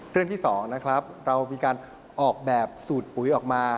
เรื่องที่๒นะครับเรามีการออกแบบสูตรปุ๋ยออกมา